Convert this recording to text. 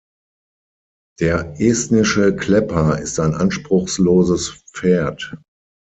Der Estnische Klepper ist ein anspruchsloses Pferd.